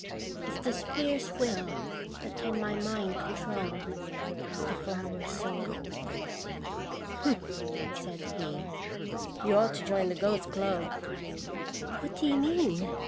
Is this fierce will, that can my mind control, The flower's soul? "Humph!" said he. "You ought to join the Ghost Club." "What do you mean?"